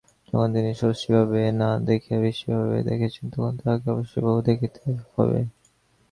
যখন তিনি সমষ্টিভাবে না দেখিয়া ব্যষ্টিভাবে দেখিতেছেন, তখন তাঁহাকে অবশ্যই বহু দেখিতে হইবে।